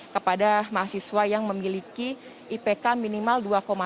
kepada mahasiswa yang memiliki ipk minimal dua tujuh